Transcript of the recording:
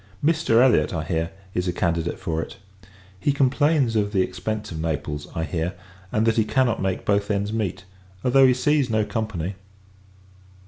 Mr. Elliot, I hear, is a candidate for it. He complains of the expence of Naples, I hear; and, that he cannot make both ends meet, although he sees no company.